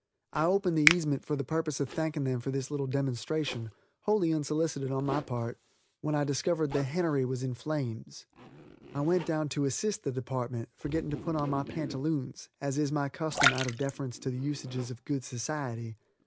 I opened the casement for the purpose of thanking them for this little demonstration, wholly unsolicited on my part, when I discovered the hennery was in flames. I went down to assist the department, forgetting to put on my pantaloons as is my custom out of deference to the usages of good society.